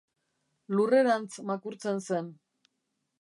Lurrerantz makurtzen zen.